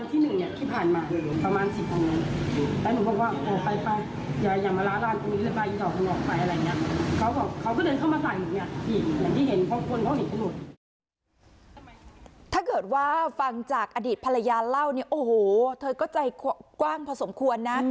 ถ้าเกิดว่าฟังจากอดีตภรรยาเล่าเนี่ยโอ้โหเธอก็ใจกว้างพอสมควรนะ